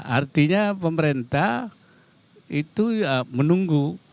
artinya pemerintah itu menunggu